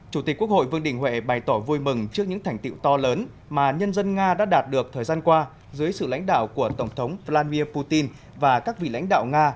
chủ tịch quốc hội vương đình huệ bày tỏ vui mừng trước những thành tiệu to lớn mà nhân dân nga đã đạt được thời gian qua dưới sự lãnh đạo của tổng thống vladimir putin và các vị lãnh đạo nga